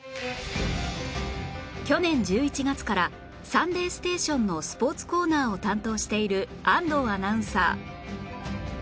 去年１１月から『サンデーステーション』のスポーツコーナーを担当している安藤アナウンサー